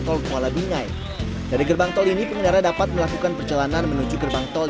tol kuala bingai dari gerbang tol ini pengendara dapat melakukan perjalanan menuju gerbang tol